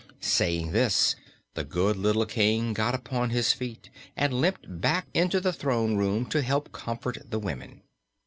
Saying this, the good little King got upon his feet and limped back into the throne room to help comfort the women.